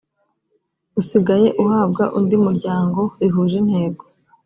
usigaye uhabwa undi muryango bihuje intego